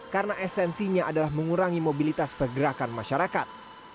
karena esensinya adalah mengurangi mobilitas pergerakan masyarakat